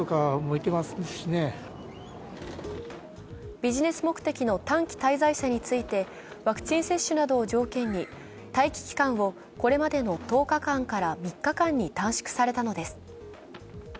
ビジネス目的の短期滞在者についてワクチン接種などを条件に待機期間をこれまでの１０日間から３日間に短縮されたのです。